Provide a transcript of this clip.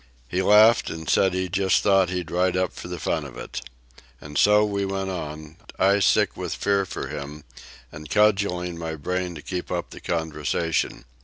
He laughed and said he just thought he'd ride up for the fun of it. And so we went on, I sick with fear for him, and cudgeling my brains to keep up the conversation.